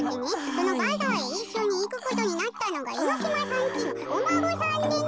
そのバザーへいっしょにいくことになったのがいのしまさんちのおまごさんでね。